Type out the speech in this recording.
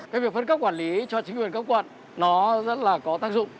cái việc phân cấp quản lý cho chính quyền cấp quận nó rất là có tác dụng